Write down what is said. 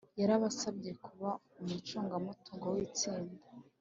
yarabasabye kuba umucungamutungo witsinda